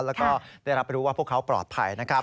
แล้วก็ได้รับรู้ว่าพวกเขาปลอดภัยนะครับ